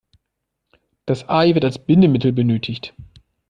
Das Ei wird als Bindemittel benötigt.